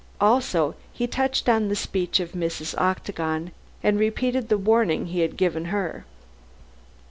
Also, he touched on the speech of Mrs. Octagon, and repeated the warning he had given her.